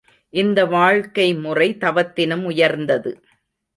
இந்த வாழ்க்கைமுறை தவத்தினும் உயர்ந்தது.